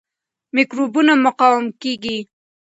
میکروبونه مقاوم کیږي.